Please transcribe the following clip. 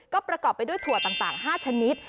ก็ประกอบไปด้วยถั่วต่าง๕ชนิด